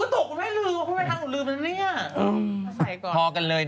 ตบก็ได้ลืมข้อมูลไปทางก็ลืมแล้วเนี่ย